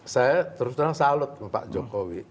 saya terus terang salut pak jokowi